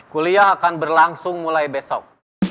kuliah akan berlangsung mulai besok